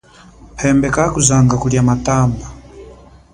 Phembe kakuzanga kulia matamba.